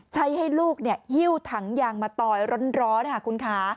ให้ลูกหิ้วถังยางมาตอยร้อนค่ะคุณคะ